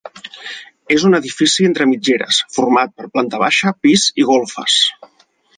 És un edifici entre mitgeres format per planta baixa, pis i golfes.